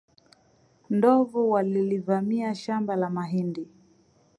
Ndovu walilivamia shamba la mahindi